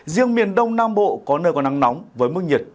riêng miền đông nam bộ có nơi có nắng nóng với mức nhiệt trên ba mươi năm độ